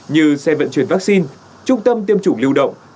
như xe vận chuyển vaccine trung tâm tiêm chủng lưu động